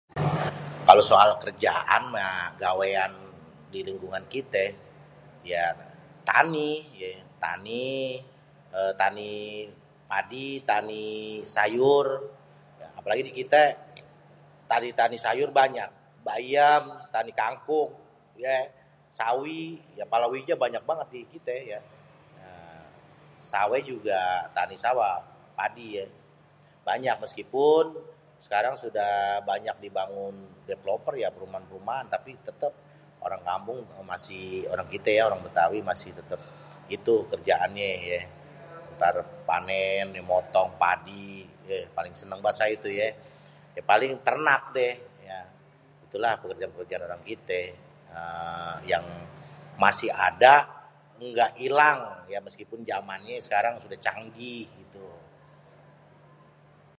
Kalo soal kerjaan mah gawéan di lingkungan kité ya tani, tani padi, tani sayur, apalagi ni kité tani-tani sayur banyak, bayêm, tani kangkung, yé sawi, palawijé banyak bangét di kité ya.. sawéh juga tani sawah, padi yé.. meskipun sekarang sudah banyak dibangun dévelopér ya perumahan-perumahan ya .. tapi tétép orang kampung masih orang kité ya bêtawi masih itu kerjaannya yé. Ntar panen motong padi paling seneng banget saya itu yé.. Paling ternak deh ya, itu lah pekerjaan-pekerjaan orang kitê yang masih ada ngga ilang ya meskipun jamannya udah canggih gitu.